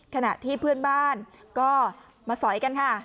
ขณะที่เพื่อนบ้านก็มาสอยกันค่ะ